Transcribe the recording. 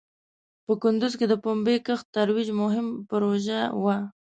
په کندوز کې د پومبې کښت ترویج مهم پروژه وه.